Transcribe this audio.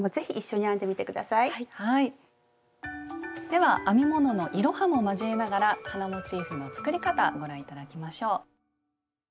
では編み物のいろはも交えながら花モチーフの作り方ご覧頂きましょう。